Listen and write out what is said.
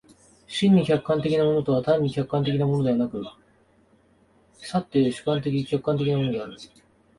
真に客観的なものとは単に客観的なものでなく、却って主観的・客観的なものである。